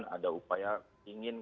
ada upaya ingin